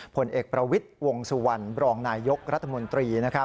ผลเอกประวิทย์วงสุวรรณบรองนายยกรัฐมนตรี